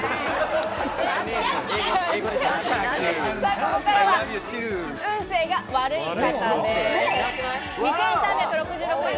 ここからは運勢が悪い方です。